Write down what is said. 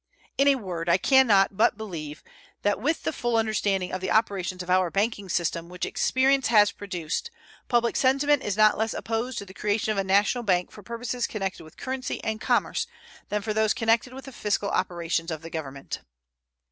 In a word, I can not but believe that, with the full understanding of the operations of our banking system which experience has produced, public sentiment is not less opposed to the creation of a national bank for purposes connected with currency and commerce than for those connected with the fiscal operations of the Government.